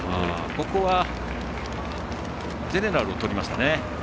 ここはゼネラルをとりましたね。